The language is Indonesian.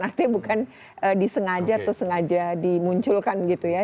artinya bukan disengaja atau sengaja dimunculkan gitu ya